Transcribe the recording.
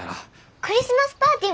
クリスマスパーティーもやるよ！